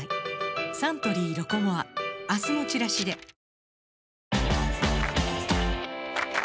サントリー「ロコモア」明日のチラシで［旅のプロ］